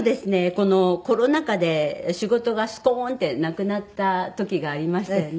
このコロナ禍で仕事がスコーンってなくなった時がありましたよね。